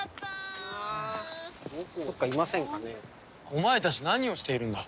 お前たち何をしているんだ？